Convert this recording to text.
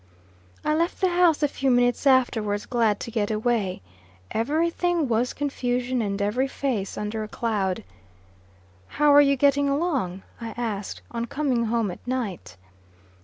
I left the house a few minutes afterwards, glad to get away. Every thing was confusion, and every face under a cloud. "How are you getting along?" I asked, on coming home at night.